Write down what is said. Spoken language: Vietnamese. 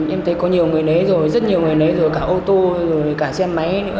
em thấy có nhiều người lấy rồi rất nhiều người lấy rồi cả ô tô cả xe máy nữa